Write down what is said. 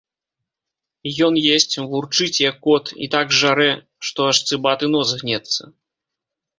Ён есць, вурчыць, як кот, і так жарэ, што аж цыбаты нос гнецца.